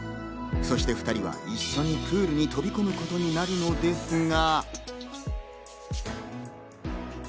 そして２人は一緒にプールに飛び込むことになるのですが。